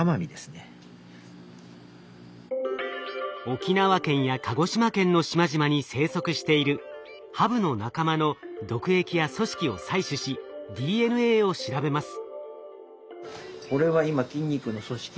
沖縄県や鹿児島県の島々に生息しているハブの仲間の毒液や組織を採取しＤＮＡを調べます。